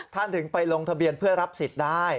ถึงไปลงทะเบียนเพื่อรับสิทธิ์ได้